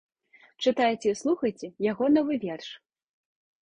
Чытайце і слухайце яго новы верш.